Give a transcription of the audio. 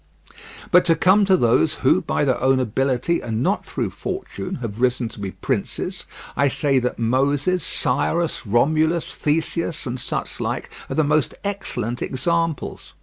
But to come to those who, by their own ability and not through fortune, have risen to be princes, I say that Moses, Cyrus, Romulus, Theseus, and such like are the most excellent examples.